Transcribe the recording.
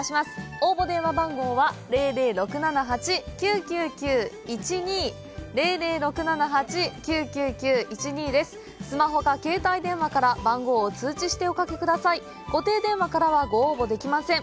応募電話番号はスマホか携帯電話から番号を通知しておかけ下さい固定電話からはご応募できません